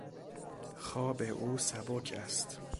خواب او سبک است.